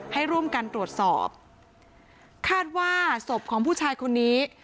ให้ร่วมกันตรวจสอบคาดว่าศพของผู้ชายคนนี้